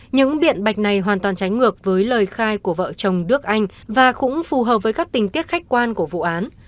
những điện bạch này hoàn toàn tránh ngược với lời khai của vợ chồng đước anh và cũng phù hợp với các tình tiết khách quan của vụ án